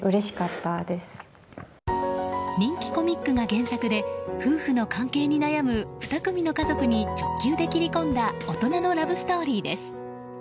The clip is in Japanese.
人気コミックが原作で夫婦の関係に悩む２組の家族に直球で切り込んだ大人のラブストーリーです。